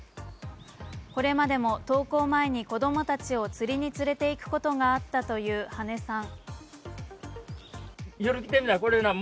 これまでも登校前に子供たちを釣りに連れていくことがあったという羽根さん。